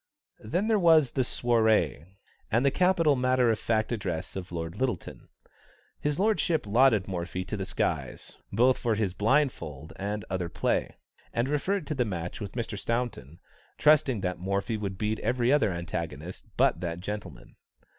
Then there was the soirée, and the capital matter of fact address of Lord Lyttelton. His lordship lauded Morphy to the skies, both for his blindfold and other play, and referred to the match with Mr. Staunton, trusting that Morphy would beat every other antagonist but that gentleman.